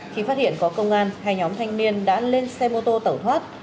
khi phát hiện có công an hai nhóm thanh niên đã lên xe mô tô tẩu thoát